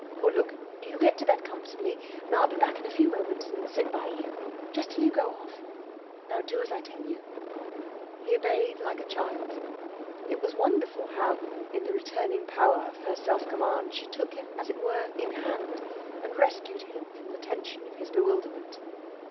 Or look, you get to bed comfortably, and I'll be back in a few minutes and sit by you. Just till you go off. Now do as I tell you." He obeyed like a child. It was wonderful how, in the returning power of her self command, she took him, as it were, in hand, and rescued him from the tension of his bewilderment.